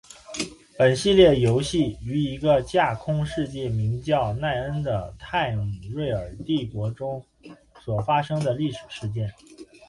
本系列游戏于一个架空世界名叫奈恩的泰姆瑞尔帝国中所发生的历史事件。